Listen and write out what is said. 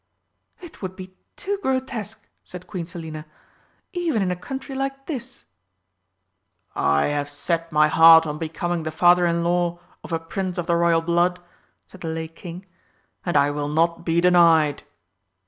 "It would be too grotesque!" said Queen Selina, "even in a country like this!" "I have set my heart on becoming the Father in law of a Prince of the Royal blood," said the Lake King, "and I will not be denied."